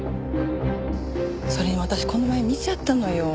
それに私この前見ちゃったのよ。